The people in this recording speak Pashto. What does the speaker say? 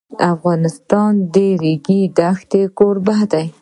افغانستان د د ریګ دښتې کوربه دی.